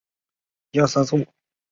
圣武天皇。